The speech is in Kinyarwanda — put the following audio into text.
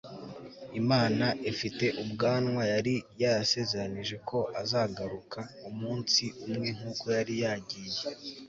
imana ifite ubwanwa yari yarasezeranije ko azagaruka umunsi umwe nkuko yari yagiye